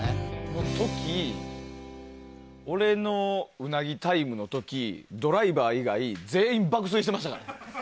この時、俺のウナギタイムの時ドライバー以外全員爆睡してましたから。